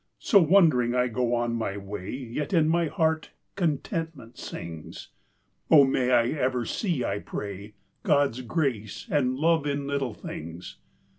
So wondering I go my way, Yet in my heart contentment sings ... O may I ever see, I pray, God's grace and love in Little Things.